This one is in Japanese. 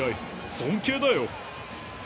尊敬だよ。